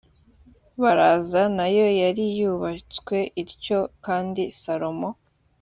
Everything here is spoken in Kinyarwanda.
baraza na yo yari yubatswe ityo kandi salomo